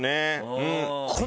うん。